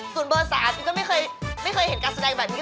ส่วนเบอร์๓จริงก็ไม่เคยเห็นการแสดงแบบนี้